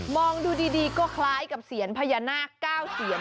มองดูดีก็คล้ายกับเซียนพญานาคเก้าเซียน